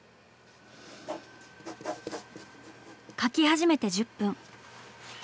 描き始めて１０分。